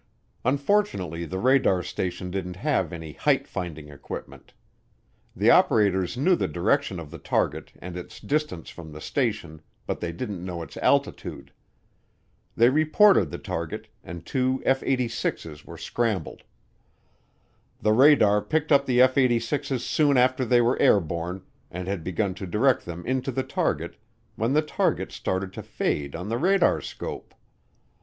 Unfortunately the radar station didn't have any height finding equipment. The operators knew the direction of the target and its distance from the station but they didn't know its altitude. They reported the target, and two F 86's were scrambled. The radar picked up the F 86's soon after they were airborne, and had begun to direct them into the target when the target started to fade on the radarscope.